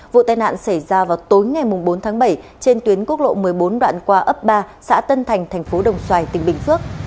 vụ tai nạn xảy ra vào tối ngày bốn tháng bảy trên tuyến quốc lộ một mươi bốn đoạn qua ấp ba xã tân thành thành phố đồng xoài tỉnh bình phước